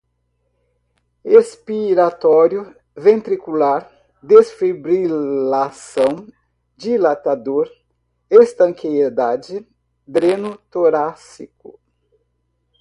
expiratório, ventricular, desfibrilação, dilatador, estanqueidade, dreno torácico